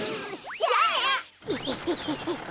じゃあね！